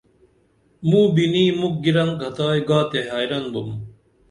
موں بِنی موکھ گِرنکھتائی گا تے حیرن بُم